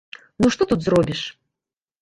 Ну што тут зробіш?